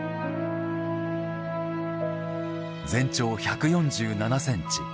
全長１４７センチ。